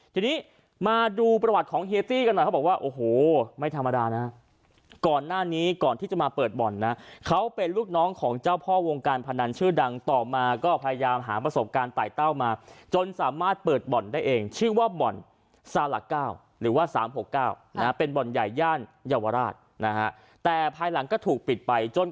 ทีนี้มาดูประวัติของเฮียตี้กันหน่อยเขาบอกว่าโอ้โหไม่ธรรมดานะก่อนหน้านี้ก่อนที่จะมาเปิดบ่อนนะเขาเป็นลูกน้องของเจ้าพ่อวงการพนันชื่อดังต่อมาก็พยายามหาประสบการณ์ไต่เต้ามาจนสามารถเปิดบ่อนได้เองชื่อว่าบ่อนซาละ๙หรือว่า๓๖๙นะเป็นบ่อนใหญ่ย่านเยาวราชนะฮะแต่ภายหลังก็ถูกปิดไปจน